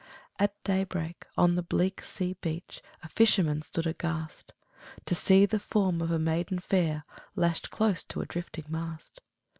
At day break, on the bleak sea beach A fisherman stood aghast, To see the form of a maiden fair Lashed close to a drifting mast.